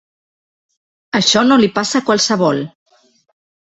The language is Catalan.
Això no li passa a qualsevol!